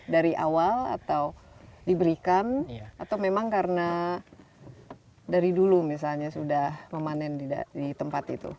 dari awal atau diberikan atau memang karena dari dulu misalnya sudah memanen di tempat itu